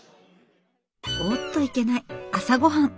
おっといけない朝ごはん！